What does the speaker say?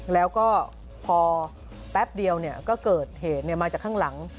แล้วก็พอแป๊บเดียวก็เกิดเหตุมาจากข้างหลัง